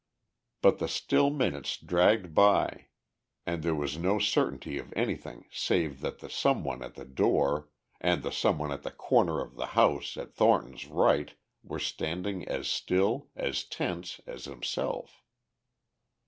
But the still minutes dragged by and there was no certainty of anything save that the some one at the door and the some one at the corner of the house at Thornton's right were standing as still, as tense, as himself.